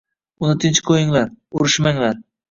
«Uni tinch qoʻyinglar, urishmanglar.